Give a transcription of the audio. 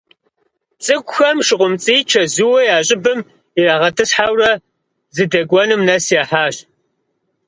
ЦӀыкӀухэм ШыкъумцӀий чэзууэ я щӀыбым ирагъэтӀысхьэурэ зыдэкӀуэнум нэс яхьащ.